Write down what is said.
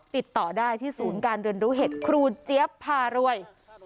ติดต่อได้ที่ศูนย์การเรียนรู้เห็ดครูเจี๊ยบพารวย